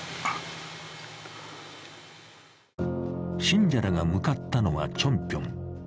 信者らが向かったのはチョンピョン。